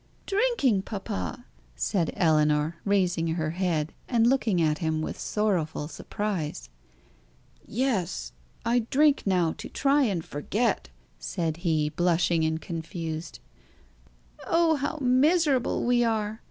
"Drinking, papa!" said Ellinor, raising her head, and looking at him with sorrowful surprise. "Yes. I drink now to try and forget," said he, blushing and confused. "Oh, how miserable we are!"